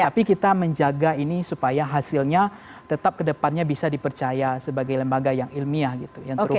jadi kita menjaga ini supaya hasilnya tetap kedepannya bisa dipercaya sebagai lembaga yang ilmiah gitu yang terukur